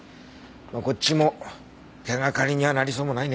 まあこっちも手がかりにはなりそうもないね。